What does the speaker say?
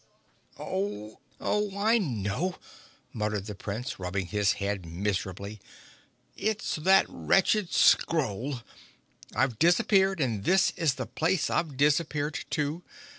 "Oh! Oh! I know!" muttered the Prince, rubbing his head miserably. "It's that wretched scroll. I've disappeared and this is the place I've disappeared to."